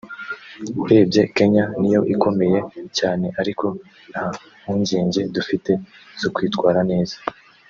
urebye Kenya niyo ikomeye cyane ariko nta mpungenge dufite zo kwitwara neza